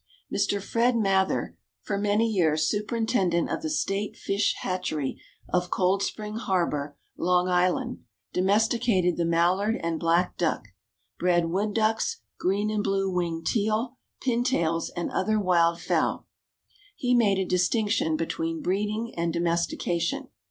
Mr. Fred Mather, for many years superintendent of the State Fish Hatchery of Cold Spring Harbor, Long Island, domesticated the mallard and black duck, bred wood ducks, green and blue winged teal, pin tails, and other wild fowl. He made a distinction between breeding and domestication.